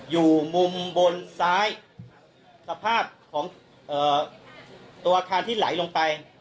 อยู่มุมบนซ้ายสภาพของตัวอาคารที่ไหลลงไป